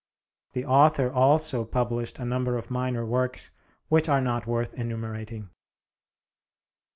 The author also published a number of minor works which are not worth enumerating.